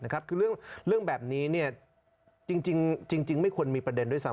คือเรื่องแบบนี้จริงไม่ควรมีประเด็นด้วยซ้ำ